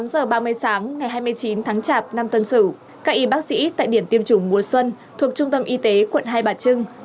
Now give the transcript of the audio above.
tám giờ ba mươi sáng ngày hai mươi chín tháng chạp năm tân sử các y bác sĩ tại điểm tiêm chủng mùa xuân thuộc trung tâm y tế quận hai bà trưng